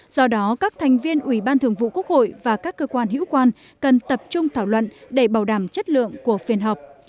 do đó các thành viên ủy ban thường vụ quốc hội và các cơ quan hữu quan cần tập trung thảo luận để bảo đảm chất lượng của phiên họp